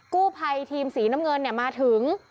กู้ภัยทีมสีน้ำเงินมาถึง